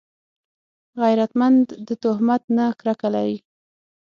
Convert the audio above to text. غیرتمند د تهمت نه کرکه لري